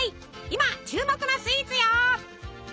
今注目のスイーツよ！